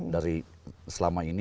dari selama ini